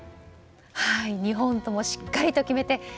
２本ともしっかりと決めて。